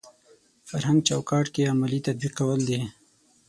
فرهنګ چوکاټ کې عملي تطبیقول دي.